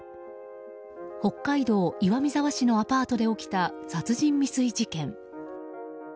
北海道岩見沢市のアパートで起きた殺人未遂事件。